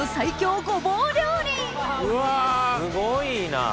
すごいな。